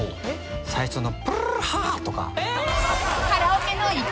最初の。